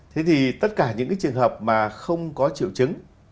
thế thì tất cả những cái trường hợp mà không có triệu chứng